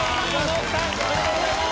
おめでとうございます！